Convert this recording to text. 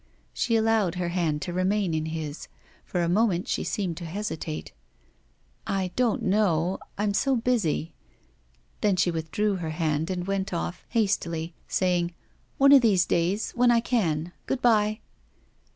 She allowed her hand to remain in his. For a moment she seemed to hesitate. 'I don't know. I am so busy.' Then she withdrew her hand and went off, hastily, saying: 'One of these days, when I can. Good bye.